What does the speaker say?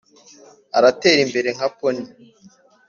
aratera imbere nka pony,